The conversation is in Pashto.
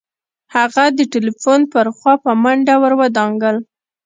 هغه د ټليفون پر خوا په منډه ور ودانګل.